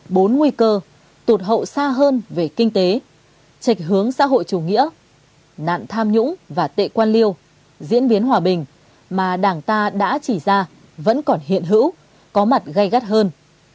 bốn nguy cơ tụt hậu xa hơn về kinh tế trạch hướng xã hội chủ nghĩa nạn tham nhũng và tệ quan liêu diễn biến hòa bình mà đảng ta đã chỉ ra vẫn còn hiện hữu có mặt gây gắt hơn